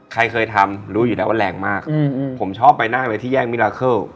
ใครเคยทำรู้อยู่แล้วว่าแรงมากผมชอบไปหน้าไว้ที่แย่งมิลาเคิล